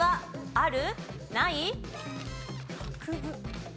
ある。